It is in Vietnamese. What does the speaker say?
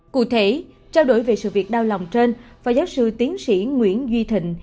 cụ thể trao đổi về sự việc đau lòng trên phó giáo sư tiến sĩ nguyễn duy thịnh